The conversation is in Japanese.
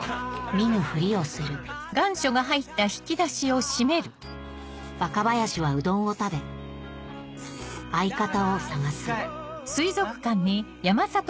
見ぬふりをする若林はうどんを食べ相方を探すん？